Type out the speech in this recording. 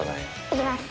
行きます。